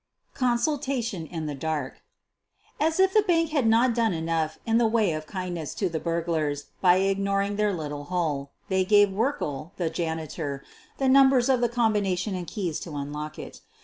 CONSULTATION IN THE DAEK As if the bank had not done enough in the way of kindness to the burglars by ignoring their little hole, they gave Werkle, the janitor, the numbers of the combination and keys to unlock it.